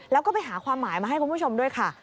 แล้วก็ไปหาความหมายมาให้คุณผู้ชมด้วยค่ะ